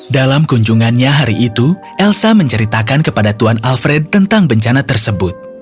dalam kunjungannya hari itu elsa menceritakan kepada tuan alfred tentang bencana tersebut